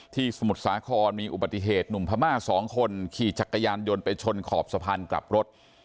สมุทรสาครมีอุบัติเหตุหนุ่มพม่า๒คนขี่จักรยานยนต์ไปชนขอบสะพานกลับรถ